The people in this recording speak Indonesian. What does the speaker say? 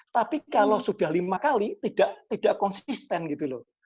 tapi kalau sudah lima kali tidak konsisten gitu loh